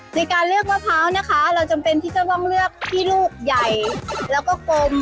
ในการเลือกมะพร้าวนะคะเราจำเป็นที่จะต้องเลือกที่ลูกใหญ่แล้วก็กลม